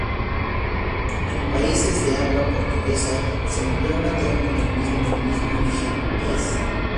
En países de habla portuguesa se emplea una terminación con el mismo origen: "-es".